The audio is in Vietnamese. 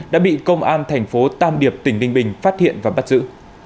đã bị công an thành phố tam điệp tỉnh ninh bình phát hiện và bắt giữ